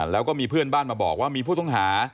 แล้วก็มีเพื่อนบ้านมาบอกว่ามีผู้ต้องหา